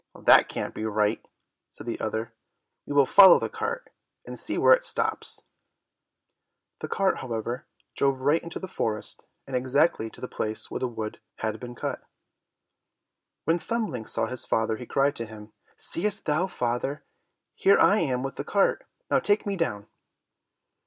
"That can't be right," said the other, "we will follow the cart and see where it stops." The cart, however, drove right into the forest, and exactly to the place where the wood had been cut. When Thumbling saw his father, he cried to him, "Seest thou, father, here I am with the cart; now take me down."